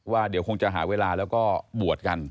ว่าเดี๋ยวคงจะหาเวลาแล้วก็บวชกัน